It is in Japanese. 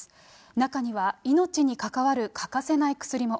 中には、命に関わる欠かせない薬も。